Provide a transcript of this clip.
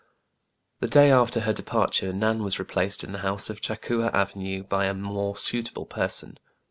The day after her departure Nan was replaced in the house in Cha Coua Avenue by a more suitable person.